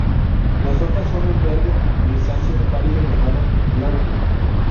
Las hojas son un verde grisáceo pálido llamado Glauco.